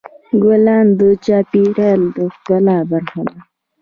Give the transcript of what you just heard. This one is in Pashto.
ګلان د چاپېریال د ښکلا برخه ده.